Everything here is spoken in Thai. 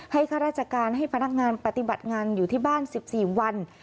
ข้าราชการให้พนักงานปฏิบัติงานอยู่ที่บ้าน๑๔วัน